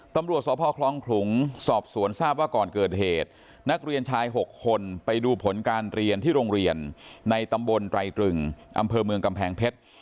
ตำรวจสพคลองขลุงสอบสวนทราบว่าก่อนเกิดเหตุนักเรียนชาย๖คนไปดูผลการเรียนที่โรงเรียนในตำบลไตรตรึงอำเภอเมืองกำแพงเพชร